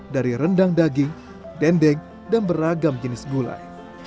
dari rendang daging dendeng dan beragam jenis gulai